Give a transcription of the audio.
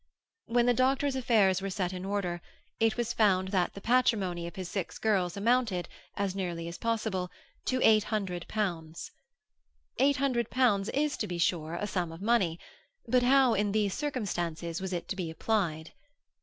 When the doctor's affairs were set in order, it was found that the patrimony of his six girls amounted, as nearly as possible, to eight hundred pounds. Eight hundred pounds is, to be sure, a sum of money; but how, in these circumstances, was it to be applied?